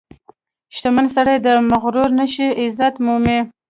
• شتمن سړی که مغرور نشي، عزت مومي.